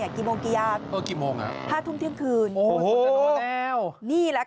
กี่โมงยากห้าทุ่มเที่ยงคืนมันจะโดนแล้วนี่แหละค่ะ